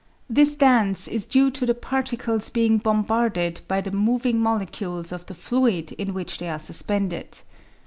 This dance is due to the particles being bombarded by the moving molecules of the fluid in which they are suspended.